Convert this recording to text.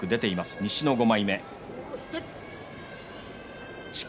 西の５枚目、錦木。